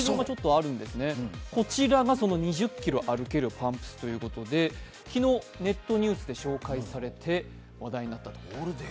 こちらが２０ｋｍ歩けるパンプスということで、昨日、ネットニュースで紹介されて話題になったと。